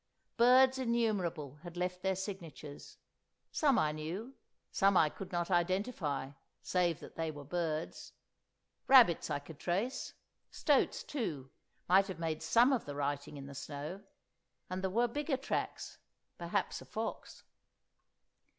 Birds innumerable had left their signatures; some I knew, some I could not identify, save that they were birds. Rabbits I could trace; stoats, too, might have made some of the writing in the snow; and there were bigger tracks—perhaps a fox.